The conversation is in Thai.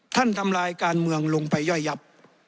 ทำลายการเมืองลงไปย่อยยับ